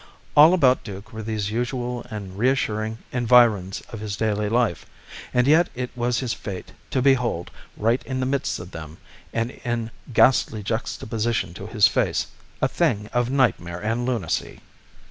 All about Duke were these usual and reassuring environs of his daily life, and yet it was his fate to behold, right in the midst of them, and in ghastly juxtaposition to his face, a thing of nightmare and lunacy.